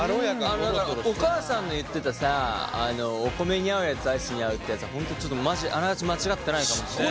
あのお母さんの言ってたさお米に合うやつアイスに合うってやつは本当ちょっとマジであながち間違ってないかもしれない。